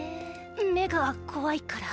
目が怖いから。